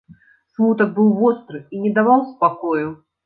Смутак быў востры і не даваў спакою.